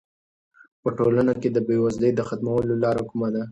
په ټولنه کې د بې وزلۍ د ختمولو لاره کومه ده؟